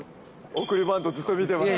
送りバント、ずっと見てました。